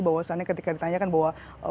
bahwasannya ketika ditanyakan bahwa